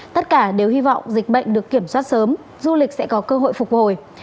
tất cả đều hy vọng dịch bệnh được kiểm soát sớm du lịch sẽ có cơ hội phục hồi